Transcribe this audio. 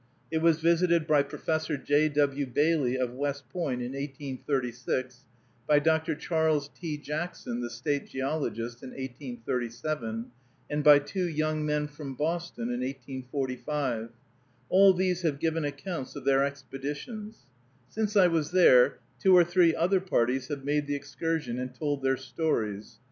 It was visited by Professor J. W. Bailey of West Point in 1836; by Dr. Charles T. Jackson, the State Geologist, in 1837; and by two young men from Boston in 1845. All these have given accounts of their expeditions. Since I was there, two or three other parties have made the excursion, and told their stories.